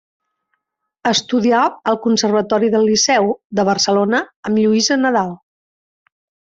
Estudià al Conservatori del Liceu, de Barcelona, amb Lluïsa Nadal.